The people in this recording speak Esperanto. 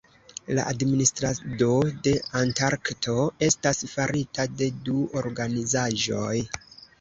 La administrado de Antarkto estas farita de du organizaĵoj.